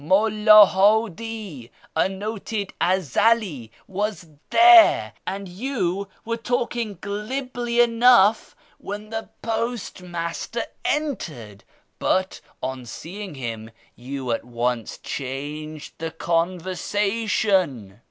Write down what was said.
Mulla Hadi, a noted Ezeli, was there, and you were talking glibly enough when the post master entered, but, on seeing him, you at once changed the conversation."